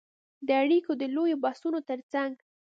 د اړیکو د لویو بحثونو ترڅنګ